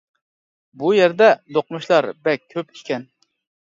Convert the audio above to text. بۇ يەردە دوقمۇشلار بەك كۆپ ئىكەن.